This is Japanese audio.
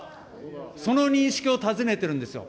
その認識を尋ねてるんですよ。